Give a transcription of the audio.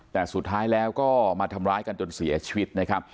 แต่สุดท้ายแล้วก็มาทำร้ายกันจนเสียชีวิตนะครับ